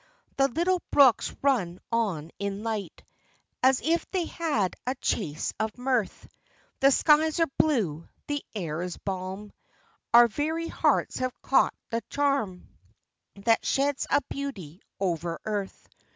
The little brooks run on in light, As if they had a chase of mirth ; The skies are blue, the air is balm; Our very hearts have caught the charm That sheds a beauty over earth.